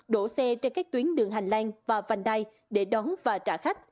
đổ xe trên các tuyến đường hành lang và vành đai để đón và trả khách